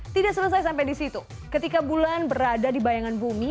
tidak selesai sampai di situ ketika bulan berada di bayangan bumi